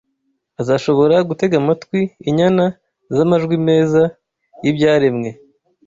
Azashobora gutega amatwi injyana z’amajwi meza y’ibyaremwe,